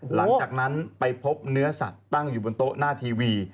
หลังจากนั้นไปพบเนื้อสัตว์ตั้งอยู่บนโต๊ะหน้าทีวี